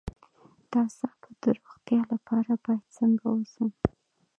د اعصابو د روغتیا لپاره باید څنګه اوسم؟